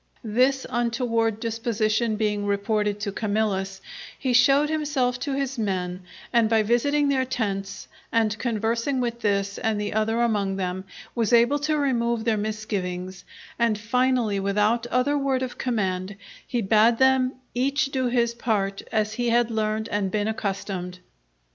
This untoward disposition being reported to Camillus, he showed himself to his men and by visiting their tents, and conversing with this and the other among them, was able to remove their misgivings; and, finally, without other word of command, he bade them "each do his part as he had learned and been accustomed."